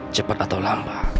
cepat atau lambat